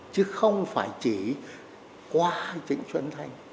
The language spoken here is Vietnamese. chứ không phải chỉ qua trịnh xuân thanh